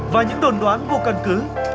và những đồn đoán vô cân cứ